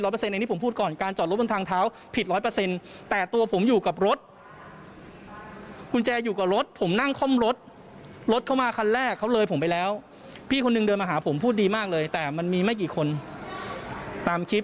พี่จับผมพี่ต้องมีรายลักษณ์อักษรสิ